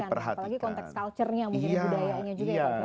apalagi konteks culture nya budayanya juga